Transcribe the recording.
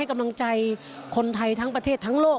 คนไทยทั้งประเทศทั้งโลก